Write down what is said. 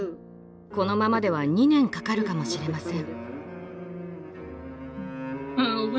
このままでは２年かかるかもしれません。